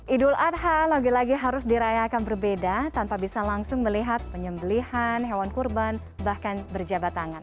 idul adha lagi lagi harus dirayakan berbeda tanpa bisa langsung melihat penyembelihan hewan kurban bahkan berjabat tangan